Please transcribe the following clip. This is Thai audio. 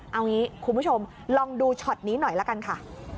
เอางี้คุณผู้ชมลองดูช็อตนี้หน่อยละกันค่ะ